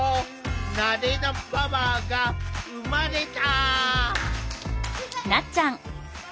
「慣れのパワー」が生まれた！